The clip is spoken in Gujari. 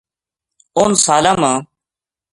اُنھ سالاں ما